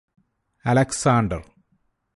Alexander